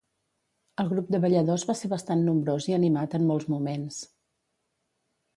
El grup de balladors va ser bastant nombrós i animat en molts moments.